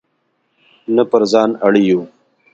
نه پر ځان اړ یو.